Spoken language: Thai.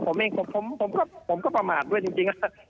ผมเองผมก็ประมาทด้วยจริง